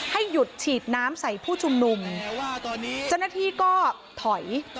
ให้หยุดฉีดน้ำใส่ผู้ชุมนุมเจ้าหน้าที่ก็ถอย